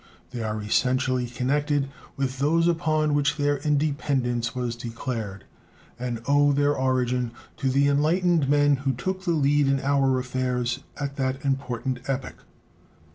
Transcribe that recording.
They are essentially connected with those upon which their independence was declared, and owe their origin to the enlightened men who took the lead in our affairs at that important epoch.